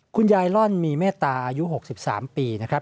คุณยายล่อนมีเมตตาอายุ๖๓ปีนะครับ